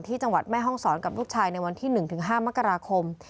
จังหวัดแม่ห้องศรกับลูกชายในวันที่๑๕มกราคม